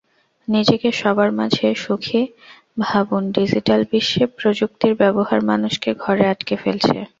নিজেকে সবার মাঝে সুখী ভাবুনডিজিটাল বিশ্বে প্রযুক্তির ব্যবহার মানুষকে ঘরে আটকে ফেলছে।